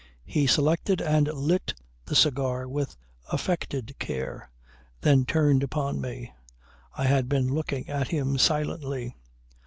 He selected and lit the cigar with affected care, then turned upon me, I had been looking at him silently.